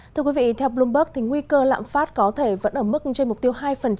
thưa quý vị theo bloomberg nguy cơ lạm phát có thể vẫn ở mức trên mục tiêu hai